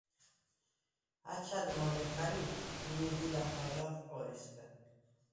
აჩად მოლე ხა̈ნ ი მინე დი ლახაგანხ ყორისგა.